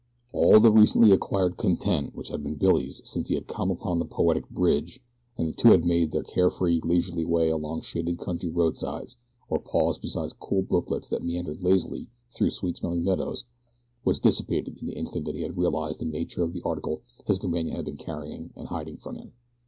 All the recently acquired content which had been Billy's since he had come upon the poetic Bridge and the two had made their carefree, leisurely way along shaded country roadsides, or paused beside cool brooklets that meandered lazily through sweet smelling meadows, was dissipated in the instant that he had realized the nature of the article his companion had been carrying and hiding from him.